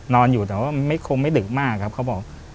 นอนอยู่แต่ว่าไม่คงไม่ดึกมากครับ